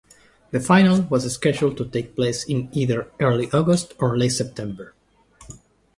The final was scheduled to take place in either early August or late September.